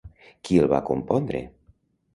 Qui el va compondre?